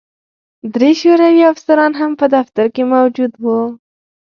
درې شوروي افسران هم په دفتر کې موجود وو